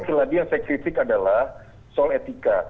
cuma yang saya kritik adalah soal etika